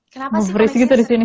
kenapa sih koneksinya